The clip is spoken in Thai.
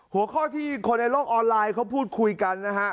หัวข้อที่คนในโลกออนไลน์เขาพูดคุยกันนะฮะ